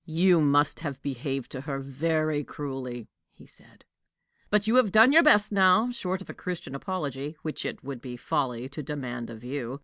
"You must have behaved to her very cruelly," he said. "But you have done your best now short of a Christian apology, which it would be folly to demand of you.